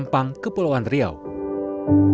kiki haryadi andra anhar